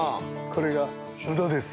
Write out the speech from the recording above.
これがウドです。